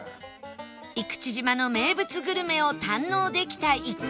生口島の名物グルメを堪能できた一行